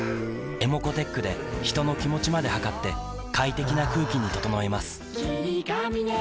ｅｍｏｃｏーｔｅｃｈで人の気持ちまで測って快適な空気に整えます